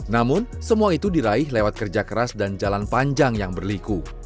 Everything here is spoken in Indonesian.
namun semua itu diraih lewat kerja keras dan jalan panjang yang berliku